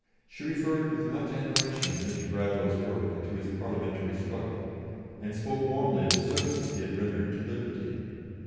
She referred with much admiration to Mr. Bradlaugh's work and to his Parliamentary struggle, and spoke warmly of the services he had rendered to liberty.